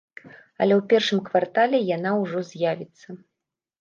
Але ў першым квартале яна ўжо з'явіцца.